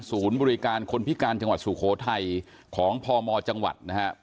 ศูนย์บริการคนพิการจังหวัดสุโขทัยของพมจังหวัดนะครับ